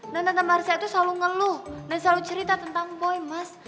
dan tante marissa itu selalu ngeluh dan selalu cerita tentang boy mas